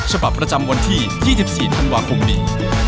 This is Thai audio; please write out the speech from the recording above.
ฉบับประจำวันที่๒๔ธันวาคมนี้